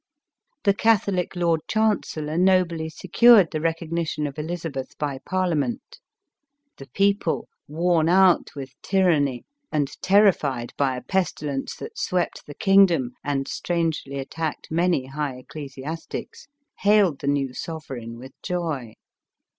The Catholic lord chancellor «obly secured the recognition of Elizabeth by parliament. The people, worn out with tyranny, and terrified by a pestilence that swept ELIZABETH OF ENGLAND. 805 the kingdom and strangely attacked many high eccle siastics, hailed the new sovereign with joy.